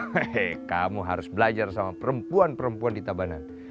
hei kamu harus belajar sama perempuan perempuan di tabanan